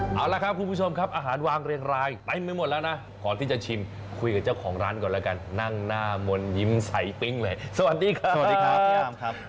ก็เอาละครับคุณผู้ชมครับอาหารวางเรียกรายไปไม่หมดแล้วนะขอที่จะชิมคุยกับเจ้าของร้านก่อนแล้วกันนั่งหน้ามนต์ยิ้มใส่ปิ้งเลยสวัสดีครับครับ